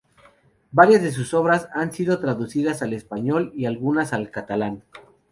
Varias de sus obras han sido traducidas al español y, algunas, al catalán.